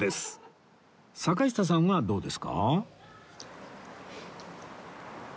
坂下さんはどうですか？